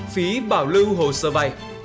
phí bảo lưu hồ sơ vay